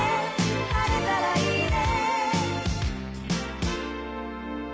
「晴れたらいいね」